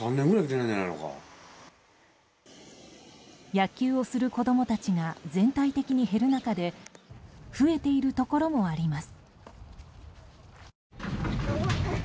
野球をする子供たちが全体的に減る中で増えているところもあります。